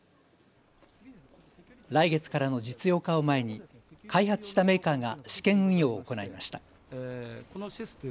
来月からの実用化を前に開発したメーカーが試験運用を行いました。